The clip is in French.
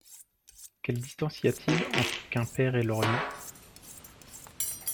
Quelle distance y a-t-il entre Quimper et Lorient ?